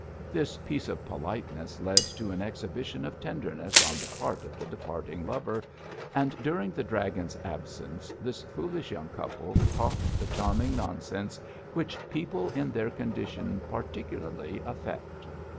This piece of politeness led to an exhibition of tenderness on the part of the departing lover, and during the dragon's absence this foolish young couple talked the charming nonsense which people in their condition particularly affect.